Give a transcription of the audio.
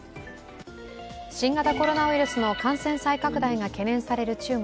新型コロナウイルスの感染再拡大が懸念される中国。